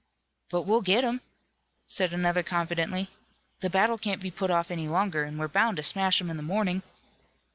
"But we'll get 'em," said another confidently. "The battle can't be put off any longer, and we're bound to smash 'em in the morning."